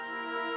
oh ini dong